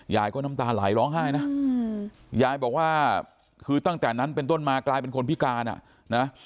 ยายก็น้ำตาไหลร้องไห้นะยายบอกว่าคือตั้งแต่นั้นเป็นต้นมากลายเป็นคนพิการอ่ะนะ